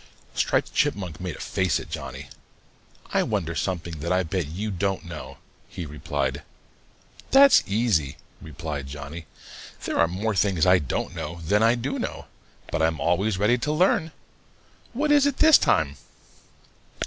Striped Chipmunk made a face at Johnny. "I wonder something that I bet you don't know," he replied. "That's easy," replied Johnny. "There are more things I don't know than I do know, but I'm always ready to learn. What is it this time?"